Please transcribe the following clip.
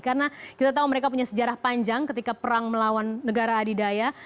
karena kita tahu mereka punya sejarah panjang ketika perang melawan negara adidaya